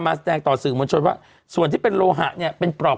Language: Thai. แสดงต่อสื่อมวลชนว่าส่วนที่เป็นโลหะเนี่ยเป็นปลอบ